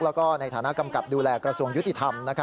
แล้วก็ในฐานะกำกับดูแลกระทรวงยุติธรรม